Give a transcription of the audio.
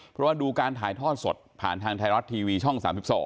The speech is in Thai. เพราะว่าดูการถ่ายทอดสดผ่านทางไทยรัฐทีวีช่อง๓๒